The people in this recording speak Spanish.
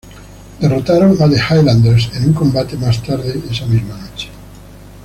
Derrotaron a The Highlanders en un combate más tarde esa misma noche.